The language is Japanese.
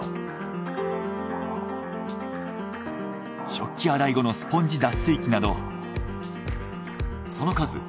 食器洗い後のスポンジ脱水機などその数年間